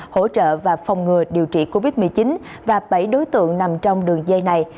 hỗ trợ và phòng ngừa điều trị covid một mươi chín và bảy đối tượng nằm trong đường dây này